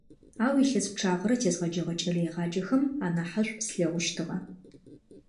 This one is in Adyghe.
Ау илъэс пчъагъэрэ тезгъэджэгъэ кӀэлэегъаджэхэм анахьышӀу слъэгъущтыгъэ.